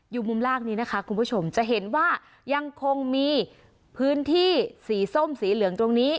มุมล่างนี้นะคะคุณผู้ชมจะเห็นว่ายังคงมีพื้นที่สีส้มสีเหลืองตรงนี้